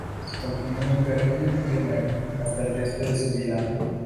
Continuó en Perkin-Elmer hasta el resto de su vida.